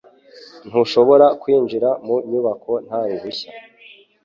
Ntushobora kwinjira mu nyubako nta ruhushya.